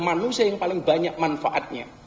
manusia yang paling banyak manfaatnya